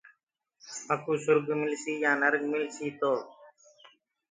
مڪوٚ سُرگ ملسيٚ جآنٚ ڪو نرگ ملسيٚ۔ تو